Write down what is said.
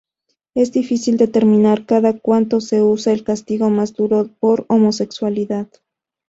Es difícil determinar cada cuánto se usa el castigo más duro por homosexualidad.